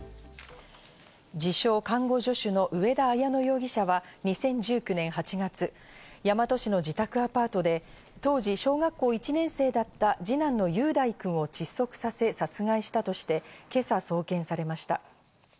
自称・看護助手の上田綾乃容疑者は２０１９年８月、大和市の自宅アパートで当時、小学校１年生だった二男の雄大くんを窒息させ、殺害したとして今朝、送検されました。